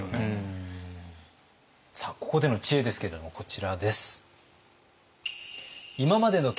さあここでの知恵ですけれどもこちらです。